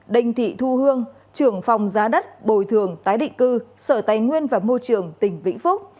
đình thị thu hương trưởng phòng giá đất bồi thường tái định cư sở tài nguyên và môi trường tỉnh vĩnh phúc